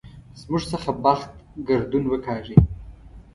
زموږ څخه بخت ګردون وکاږي.